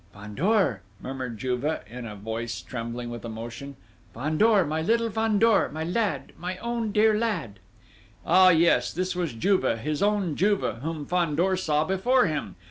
"Fandor!" murmured Juve, in a voice trembling with emotion. "Fandor, my little Fandor. My lad, my own dear lad!" Oh, yes, this was Juve, his own Juve, whom Fandor saw before him!...